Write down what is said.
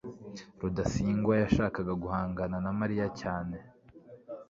rudasingwa yashakaga guhangana na mariya cyane